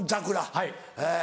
はい。